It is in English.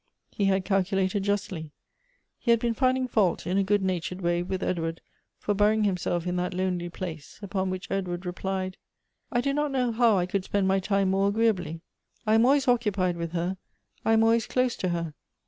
He had calculated justly. He had been finding fault in a good natured way with Edward, for burying himself in that lonely place, upon which Edward replied :" I do not know how I could spend my time more agreeably. I am always occupied with her ; I am always close to her.